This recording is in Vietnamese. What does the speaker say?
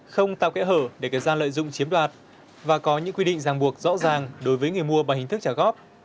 không tạo kẽ hở để kẻ gian lợi dụng chiếm đoạt và có những quy định giang buộc rõ ràng đối với người mua bằng hình thức trả góp